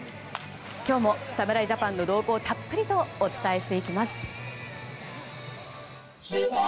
今日も侍ジャパンの動向たっぷりとお伝えしていきます。